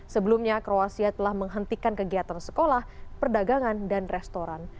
sebelumnya kroasia telah menghentikan kegiatan sekolah perdagangan dan restoran